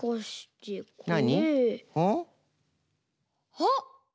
あっ！